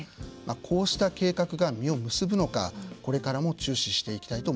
こうした計画が実を結ぶのかこれからも注視していきたいと思います。